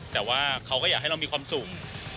แต่ว่าเขาก็อยากให้เรามีความสุข